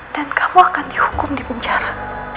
dan kamu akan dihukum di penjara